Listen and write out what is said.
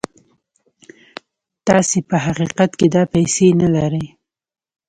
تاسې په حقيقت کې دا پيسې نه لرئ.